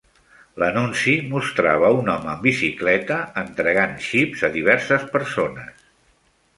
L'anunci mostrava un home en bicicleta entregant xips a diverses persones.